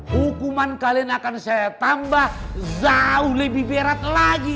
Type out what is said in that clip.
hukuman kalian akan saya tambah jauh lebih berat lagi